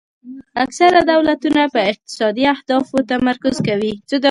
اکثره دولتونه په اقتصادي اهدافو تمرکز کوي